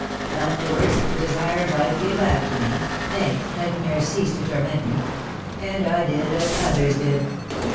Afterwards, the desire of life came back to me, nay nightmare ceased to torment me, and I did as others did."